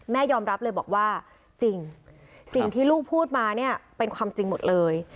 ยอมรับเลยบอกว่าจริงสิ่งที่ลูกพูดมาเนี่ยเป็นความจริงหมดเลย